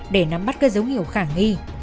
để nắm bắt các dấu hiệu khả nghi